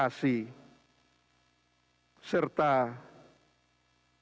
perubahan ekosistem olahraga nasional